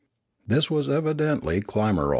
This was evidently Klimarol.